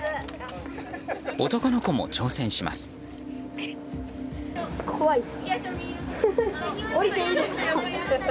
男の子も挑戦します。